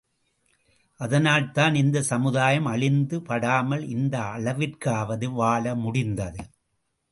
அதனால்தான் இந்தச் சமுதாயம் அழிந்து படாமல் இந்த அளவிற்காவது வாழ முடிந்தது.